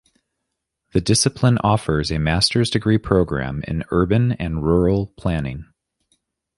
The discipline offers a master's degree programme in urban and rural planning.